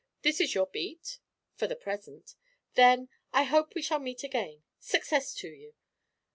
This is your beat?' 'For the present.' 'Then I hope we shall meet again. Success to you.'